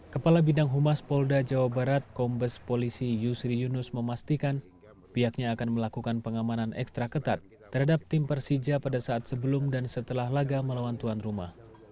kepala bidang humas polda jawa barat kombes polisi yusri yunus memastikan pihaknya akan melakukan pengamanan ekstra ketat terhadap tim persija pada saat sebelum dan setelah laga melawan tuan rumah